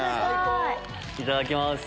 いただきます。